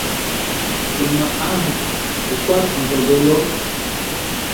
Fuma haza gukwate nzoogolo.